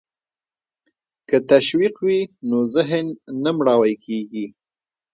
که تشویق وي نو ذهن نه مړاوی کیږي.